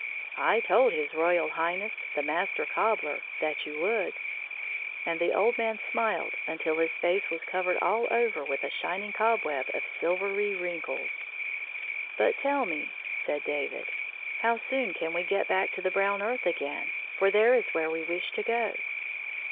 " I told his Royal Highness, the Master Cobbler, that you would," and the old man smiled until his face was covered all over with a shining cobweb of silvery wrinkles. " But tell me," said David, " how soon can we get back to the brown earth again 1 for there is where we wish to go."